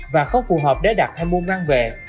và không phù hợp để đặt hay mua mang về